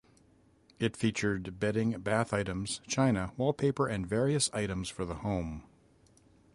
It featured bedding, bath items, china, wallpaper and various items for the home.